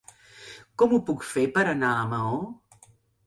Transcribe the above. Com ho puc fer per anar a Maó?